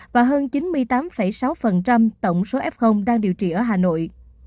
và hơn chín mươi tám sáu tổng số f đang điều trị ở hà nội